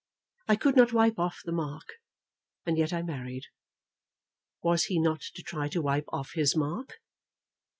I could not wipe off the mark, and yet I married. Was he not to try to wipe off his mark?"